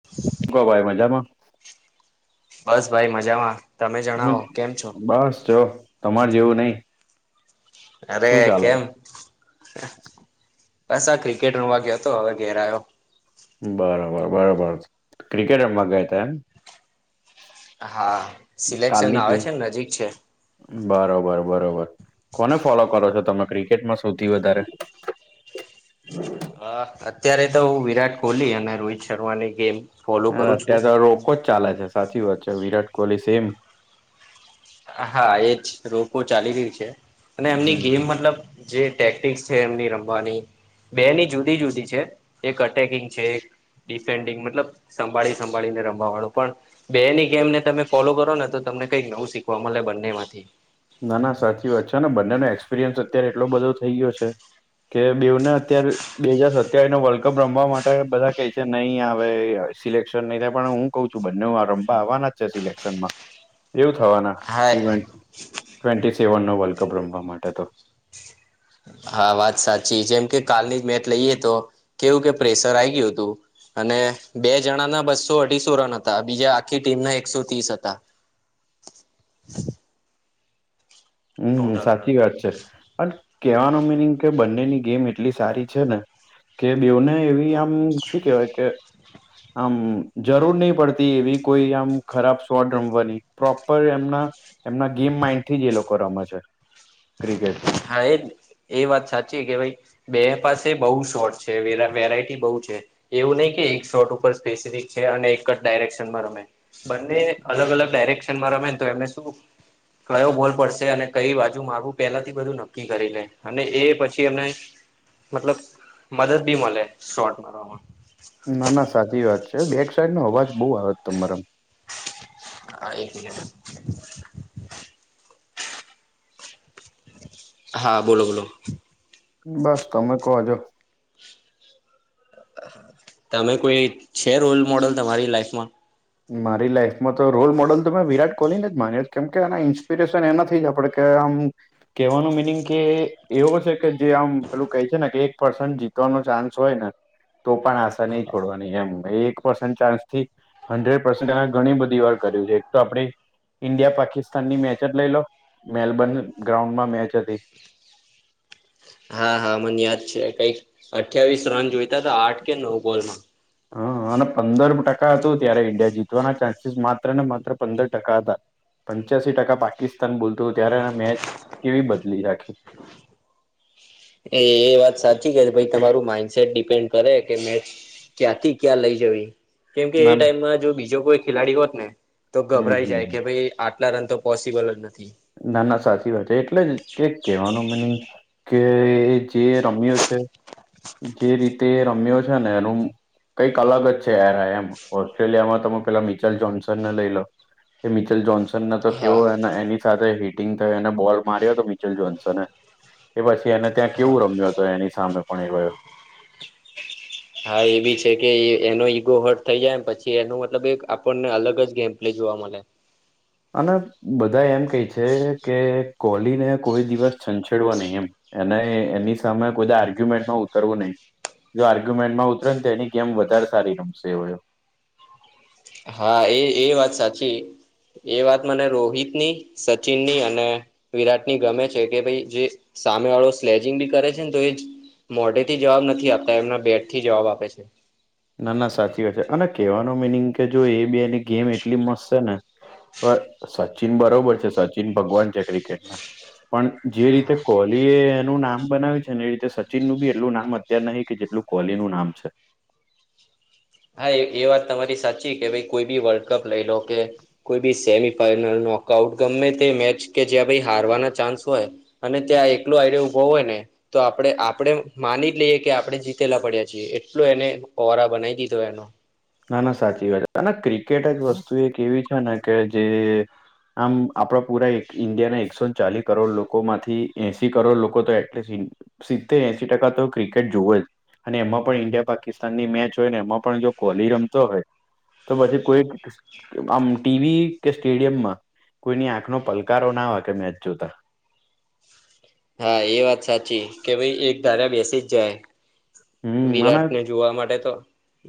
[inaudible] ગોવાાઈ મજામાં બસ ભાઈ મજામાં તમે હ જણાવો કેમ છો બસ જો તમારે જેવું નહી. અરે શું ચાલે કેમ બસ આ ક્રિકેટનો રમવા ગયો હતો હવે ઘેર આવયો બરાબર બરોબર ક્રિકેટર રમવા ગયા તા એમ હા સિલેક્શન કાલની આવે જ છે, નજીક છે. બરોબર બરોબર કોને ફોલો કરો છો તમે ક્રિકેટમાં સુધી વધારે હ અત્યારે તો હ વિરાટ કોહલી અને રોહિત શર્માની ગેમ ફોલો હ કરું છું અત્યારે તો રોકો જ ચાલે છે સાચી વાત છે વિરાટ કોહલી સેમ હા એજ રોકો ચાલી રહ્યું છે અને એમની હમ ગેમ મતલબ જે ટેકનિક છે, એમની રમવાની બે ની જુદી જુદી છે એક અટેકિંગ છે, એક ડિફેન્ડિંગ મતલબ સંભાળી સંભાળીને રમવાનું પણ. બે ની ગેમને તમે ફોલો કરો ને તો તમને કઈક નવું શીખવા મળે બંને માંથી ના ના સાચી વાત છે ને બંનેનો એક્સપિરિયન્સ અત્યારે એટલો બધો થઈ ગયો છે. કે બેવને અત્યારે બે હાજાર સત્યાવીસ નો વર્લ્ડ કપ રમવા માટે બધા કે છે નહી આવે એ આવે. સિલેક્શન નહી થાય પણ હું કઉ છું બંને રમપ આવવાના જ છે સિલેક્શમાં, એવું થવાના. હા ટ ટ્વેન્ટી સેવન નો વર્લ્ડ કપ રમવા માટે તો હા વાત સાચી છેમ કે કાલની જ મેચ લઈએ તો કેવું કે પ્રેશર આ ગયું હતુ. અને બે જણાના બસો અઢીસો રન હતા બીજા આખી ટીમના એકસો ત્રીસ હતા. છે. હમ ટોટલ રન સાચી વાત છે. પણ કેવાનો મિનિંગ કે બંનેની ગેમ એટલી સારી છે ને. કે બેને એવી આમ શું કેહેવાય કે આમ જરૂર નહી પડતી એવી કોઈ આમ ખરાબ શોટ રમવાની પ્રોપર એમના એમના ગેમ માઈન્ડ થી જ એ લોકો રમે છે ક્રિકેટ હા એજ, એ વાત સાચી કે ભાઈ. બે પાસે બઉુ શોર્ટ છે વેરાયટી બહુ છે. એવું નહીિ કે એક શોર્ટ ઉપર સ્પેસિફિક છે અને એક જ ડાયરેક્શનમાં રમે. બંને અલગ અલગ ડાયરેક્શનમાં રમે ને, તો એમને શું કયો બોલ પડશે અને કઈ વાત. માગું પેલાથી બધું નક્કી કરી લે અને એ પછી એમને મતલબ મદદ બી મળે શોટ મારવામાં. ના ના સાચી વાત છે બેક સાઈડ નો અવાજ બઉુ આવે તમારા. હા એ ગ હા બોલો બોલો. બસ તમે કોજો. તમે કોઈ છે રોલ મોડલ તમારી લાઈફમાં. મારી લાઈફમાં તો રોલ મોડલ તો મેં વિરાટ કોહલીને જ માન્યો કેમ કે એના ઇન્સ્પિરેશન એના નથી આપડ કેમ કહેવાનું મિનિંગ કે એવો છે કે જે આમ પેલું કહે છે ને કે એક પર્સન્ટ જીતવાનો ચાન્સ હોય ને. તો પણ આશા નહી છોડવાની એમ એક પસ ચાન્સ થી. હંડ્રેડ પસેન્ટ ઘણી બધી વાર કર્યું છે એક તો આપે. ઈન્ડિયા પાકિસ્તાન ની મેચ જ લઈ લો મેલબર્ન ગ્રાઉન્ડમાં મેચ હતી. હા હા મને યાદ છે કઈક અઠ્યાવીસ રન જોઈતા તો આઠ કે નવ બોલમાં. હા અને પંદર ટકા હતોું ત્યારે ઈન્ડિયા જીતવાના ચાન્સીસ માત્ર ને માત્ર પંદર ટકા હતા. પંચ્યાસીી ટકા પાકિસ્તાન બોલતું ત્યારે એ મેચ કેવી બદલી રાખી. [inaudible] એ એ વાત સાચી કે ભ તમારું માઇન્ડસેટ ડિપેન્ડ કરે કે મે ક્યાંથી ક્યાં લઈ જવી, કેમકે ના એ ના ટાઈમમાં જો બીજો કોઈ ખેલાડી હોત ને તો હમ ગભરાઈ જાય કે હમ ભાઈ આટલા રન તો પોસિબલ જ નથી. ના ના સાચી વાત છે એટલે જ કક કહેવાનું મનિ કે એ જે રમ્યો છે જે રીતે એ રમ્યો છે ને એનું કંઈક અલગ જ છે યાર એમ ઓસ્ટ્રેલિયામાં તમે પેલા મિચલ જોનસન ને લઈ લો. કે મિચલ જોન્સનને તો હા કેવોયને એની સાથે હિટિંગ થઈ અને બોલ માર્યો તો મિચલ જોન્સને. એ પછી એને ત્યાં હા કેવું રમ્યો હતો એની સામે પણ એ રહયો. હા એ બી છે કે એનો ઈગો હટ થઈ જાય પછી એનું મતલબ એક આપણને અલગ જ ગેમ. લી જોવા મળ. અને બધા એમ કહે છે કે કોહલીને કોઈ દિવસ છંછેડવા નહીં એમ. એના એની સામે કોઈ આર્ગ્યુમેન્ટમાં ઉતરવું નહિ. જો આર્ગ્યુમેન્ટમાં ઉતરે તો એની ગેમ વધારે સારી રમશે એવયો. હા એ એ વાત સાચી. એ વાત મને રોહિતની સચિનની અને વિરાટની ગમે છે કે ભાઈ જે. સામે વાળો સ્લેચિંગ બી કરે છે ને તો એ જ મોઢે થી જવાબ નથી આપતા એમના બેટ થી જવાબ આપે છે. ના ના સાચી વાત છે અને કેહેવાનો મિનિંગ કે જો એ બેની ગેમ એટલી મસ્ત છેને. સચિન બરોબર છે, સચિન ભગવાન છે, ક્રિકેટ ના પણ જે રીતે કોહલી એ એનું નામ બનાવ્યું છે ને એ રીતે સચિનનુ બી એટલું નામ હતુ. અત્યારે નહીં કે જેટલું કોલી નું નામ છે. હા એ વાત તમારી સાચી કે ભાઈ કોઈ બી વર્લ્ડ કપ લઈ લો કે કોઈ બી સેમી ફાઈનલ નોકઆઉટ ગમે તે મેચ કે જ્યાં ભ હારવાના ચાન્સ હોય. અને ત્યાં એકલું આઈડિયા ઉભો હોય ને. તો આપણે આપડે માની જ લઈએ કે આપડણે જીતેલા પડ્યા છીએ એટલો એને કોહરા બનાવી દીધ એવાનો ના ના સાચી વાત ક્રિકેટ જ વસ્તુ એક એવી છે ને કે જે. આમ આપણા પુરા એક ઇન્ડિયાના એકસો ને ચાલીસ કરોડ લોકો માંથી એસી કરોડ લોકો તો એટલીસ્ટ સી્તેર એશ ટકા તો ક્રિકેટ જોુવે જ અને એમાં પણ ઈન્ડિયા પાકિસ્તાનની મેચ હોય ને એમાં પણ જો કોલી રમતો હોય તો પછી કોઈ. આમ ટીવી કે સ્ટેડિયમ માં કોઈની આંખ ન પલકારો ના હોય, કે મેચ જોતા હા એ વાત સાચી કે ભાઈ એક ધારા બેસી જ જાય હમ અને વિરાટને જોવા માટે તો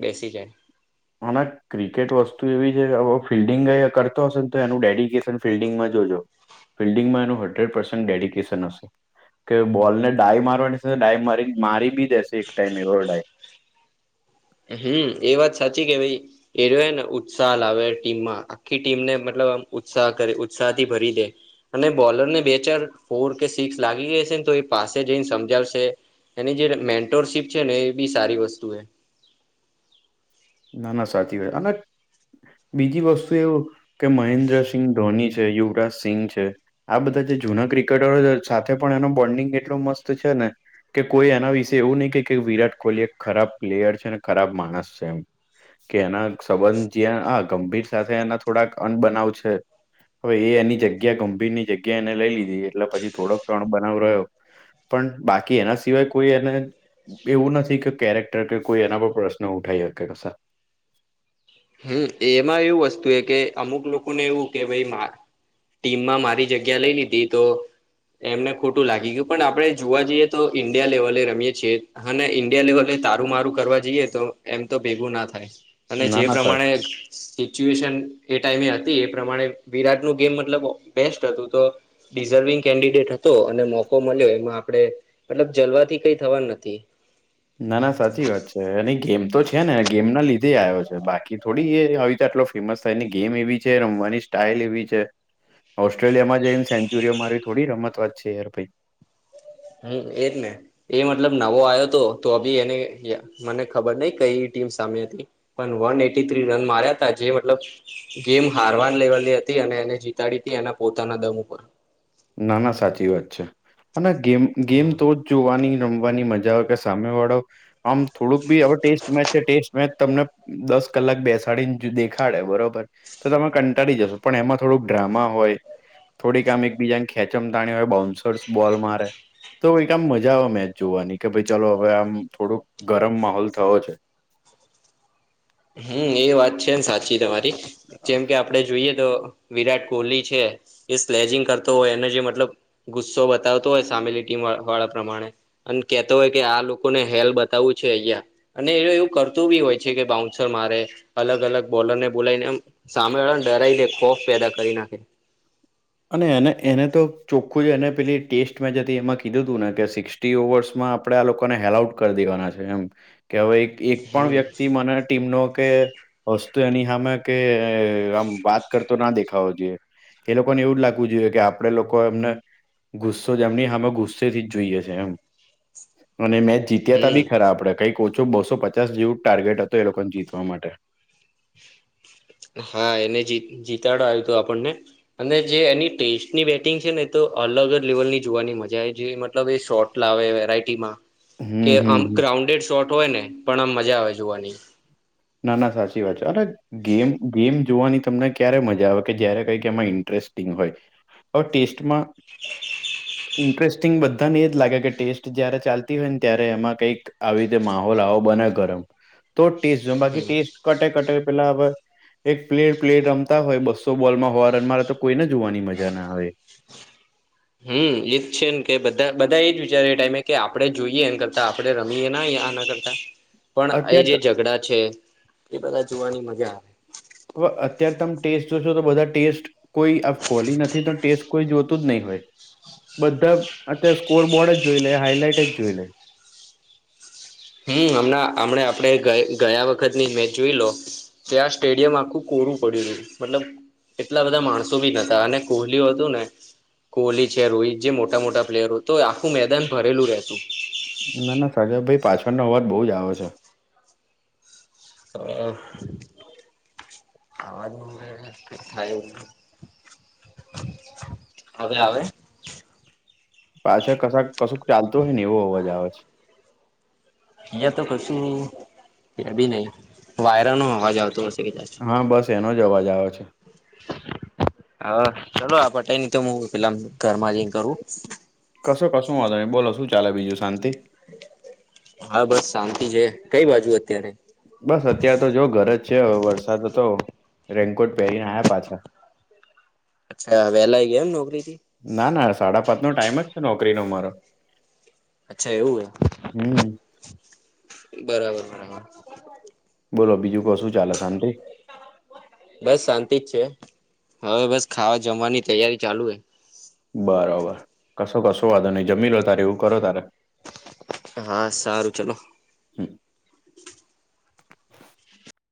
બેસી જાય. હના ક્રિકેટ વસ્તુ એવી છે કે ફિલ્ડિંગ કરતો હશે ને તો એનું ડેડિકેશન ફિલ્ડિંગમાં જોજો ફિલ્ડિંગમાં એનું હન્ડ્રેડ પર્સેન્ટ ડેડિકેશન હશે કે બોલ ને ડાય મારવાની છે, ડાય મારી મારી બી દેશે એક ટાઈમ એવો ડાય. હમ એ વાત સાચી કે ભાઈ એ ને ઉત્સાહ લાવે ટીમમા આખી ટીમને મતલબ આમ ઉત્સાહ કરે ઉત્સાહ થી ભરી દે અને બોલર ને બે ચાર ફોર કે સિક્સ લાગી જશે ને તો એ પાસે જઈને સમજાવશે એની જે મેન્ટોરશીપ છે ને એ બી સારી વસ્તુ હ. ના ના સાચી વાત અને બીજી વસ્તુ એવુ કે મહેન્દ્રસિંહ ધોની છે યુવરાજ સિંઘ છે. આ બધા જે જૂના ક્રિકેટરો સાથે પણ એનો બોન્ડિંગ એટલો મસ્ત છેને. કે કોઈ એના વિશે એવું નહી કે કે વિરાટ કોહલી એક ખરાબ પ્લેયર છે અનેને ખરાબ માણસ છે એમ કે એના સંબંધ જે આ ગંભીર સાથે એના થોડાક અન્ન બનાવ છે. હવે એની જગ્યા ગંભીર ની જગ્યા એને લઈ લીધી એટલે પછી થોડોક તણ બનાવ રહ્યો. પણ બાકી એના સિવાય કોઈ એને એવું નથી કે કેરેક્ટર કે કોઈ એના પર પ્રશ્ન ઉઠાવ શકે ક હમ એમાં એવું વસ્તુ એ કે અમુક લોકોને એવું કે ભાઈ મા ટીમમાં મારી જગ્યા લઈ લીધી તો એમને ખોટું લાગી ગયું પણ આપડણે જોવા જઈએ તો ઈન્ડિયા લેવલે રમીએ છી. હા ઈન્ડિયા લેવલે તારું મારુ કરવા જઈએે, તો એમ તો ભેગું ના થાય. અને ના જે ના. સર પ્રમાણે સિચ્યુએશન એ ટાઈમે હતી એ પ્રમાણે વિરાટનુંું ગેમ મતલબ બેસ્ટ હતું તો. ડિઝર્વિંગ કેન્ડિડેટ હતો અને મોકો મળ્યો એમાં આપે મતલબ જલવાથી કઈ થવા નથી. ના ના સાચી વાત છે એ ગેમ તો છે ને ગેમ ના લીધે આવ્યો છે, બાકી થોડી એ હવે તો આટલો ફેમસ થાય એની ગેમ એવી છે રમવાની સ્ટાઈલ એવી છે. ઓસ્ટ્રેલિયા માં જઈને સેન્ચુરીઓ મારી થોડી રમતવાત છે, યાર ભાઈ. હમ એજ ને એ મતલબ નવો આવ્યો હતો તો અી એને મને ખબર ન કઈ ટીમ સામે હતી. પણ વન એટી થ્રી રન માર્યા ત જે મતલબ ગેમ હારવાની લેવાલી હતી અને એને જીતાડી હતી એના પોતાના દમ ઉપર ના ના સાચી વાત છે, અને ગેમ ગેમ તો જ જોવાનીમ ની મજા આવે કે સામે વાળો આમ થોડુંક બી હ ટેસ્ટ મેચ છે ટેસ્ટ મેચ તમને દસ કલાક બેસાડીને દેખાડે બરોબર તો તમે કંટાળી જશો પણ એમાં થોડુંક ડ્રામા હોય થોડીક આમ એકબીજા ખેચમ તાણી હોય બાઉન્સર્સ બોલ મારે. તો એકઈ આમ મજા આવે મેચ જોવાની કે ભાઈ ચાલો હવે આમ થોડોક ગરમ માહોલ થયો છે. હમ્મ એ વાત છેમ સાચી તમારી જેમ કે. આપે જોઈએ તો વિરાટ કોહલી છે, એ સ્લેજિંગ કરતો હોય એને જે મતલબ ગુસ્સો બતાવતો હોય, સામેલી ટીમ વાળા પ્રમાણે. અને કેતો હોય કે આ લોકોને હેલ બતાવવું છે અહિયાં અને એ એવું કરતું બી હોય છે, કે બાઉન્ ્છર મારે અલગ અલગ બોલર ને બોલાવીને સામે વાળા ને ડરાઈ દે ખોફ પેદા કરી નાખે અને એને એને તો ચોખ્ખું જ એને પેલી ટેસ્ટ મેચ હતી એમાં કીધું તું નેં સિક્ ટી ઓવર્સ માં આપણે આ લોકોને હેલ આઉટ કરી દેવાના છે એમ કે હવે એક. એક પણ હમ વ્યક્તિ મને ટીમનો કે. વસ્તુ એની હામે કે આમ વાત કરતો ના દેખાવો જોઈએ. એ લોકોને એવું જ લાગવું જોઈએ કે આપડે લોકો એમને. ગુસ્સો જેમની હામે ગુસ્સેથી જ જોઈએ છે એમ અને મેં જ જીતી.. તા હમ બી ખરાબડે કઈ કોચો બોસો પચાસ જેવું ટાર્ગેટ હતું એ લોકોને જીતવા માટે. હા એને જી જીતાડો આવ્યું હતો આપણને. અને જે એની ટેસ્ટની બેટિંગ છે ને તો અલગ અગ લેવલની જોવાની મજા આવે જે મતલબ એ શોર્ટ. એટલા આવે વેરાયટીમાં કે હમ આમ હમ હમ ગ્રાઉન્ડેડ શોર્ટ હોય ને પણ આમ મજા આવે જોવાની. ના ના સાચી વાત છે અરે. ગેમ ગેમ જોવાની તમને ક્યારે મજા આવે કે જય્યારે કઈ કે એમાં ઇન્ટરેસ્ટિંગ હોય. આ ટેસ્ટમાં. ઇન્ટરેસ્ટિંગ બધાને એજ લાગે કે ટેસ્ટ જયારે ચાલતી હોય ને ત્યારે એમાં કઈક. આવી રીતે માહોલ આવો બને ગરમ તો ટેસ્ટ જો બાકી હમ ટેસ્ટ કટે કટે પેલા હવે. એક પ્લેર પ્લેર રમતા હોય બસો બોલમાં હોવા રનમાંરે તો કોઈને જોવાની મજા ના આવે. હમ એજ છે ને કે બધા બધા એજ વિચારે એ ટાઈમે કે આપડણે જોઈએ એ કરતા આપણે રમીએ ના કરતા. પણ એ અત્યાર જે ત ઝઘડા છે એ બધા જોવાની મજા આવે. હવે અત્ય્યારે તમે ટેસ્ટ જોશો તો બધા ટેસ્ટ. કોઈ અ કોલી નથી તો ટેસ્ટ કોઈ જોતું જ નહી હોય. બધા અત્યારે સ્કોરબોર્ડ જ જોઈ લે હાઈલાઇટ જ જોઈ લે. હમ્મ હમણાં હમ આપણે ગયા વખત ની મેચ જોઈ લો. ત્યા આ સ્ટેડિયમ આખું કોરું પડ્યું હતું મતલબ. એટલા બધા માણસો બી નતા અને કોહલીઓ હતું ને. કોહલી છે રોહિત જે મોટા મોટા પ્લેયરો તો આખું મેદાન ભરેલું રહેતું. ના ના સાગ ભાઈ પાછળનો અવાજ બહુજ આવે છે. હ. આવાજ થાય. હવે આવે. પાછા કશ કશુંક ચાલતું હોય ને એવો અવાજ આવે. તો કશું બી નહ વાયરા નો હોવાજ આવતો હશે કદાચ હા બસ એનો જ અવાજ આવે છે. હા ચલો આ પટાઈ નહ તો હું પેલામ ઘરમાં જ કરું. કશો કશું વાંધો બોલો શું ચાલે બીજું શાંતિ. હા બસ શાંતિ છે કઈ બાજુ અત્યારે. બસ અત્યાર તો જો ઘર જ છે વરસાદ હતો રેનકોટ પહેરીને આવ્યા પાછા [inaudible] અચ્છા વેહલા આઈ ગયા એમ નોકરીથી ના ના સાડા પાંચ નો ટાઈમ જ છે નોકરીનો મારો અચ્છા એવું છે? હમ્મ બરાબર બરાબર. બોલો બીજું કો શું ચાલે શાંતિ? બસ શાંતિ જ છે હવે બસ ખાવા જમવાની તૈયારી ચાલુ છે. બરોબર કશો કશો વાંધો નહી જમી લો તારે એવું કરો તારે. હા સારું ચલો. હમ્મ.